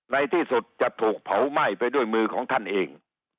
ในที่สุดจะถูกเผาไหม้ไปด้วยมือของท่านเอง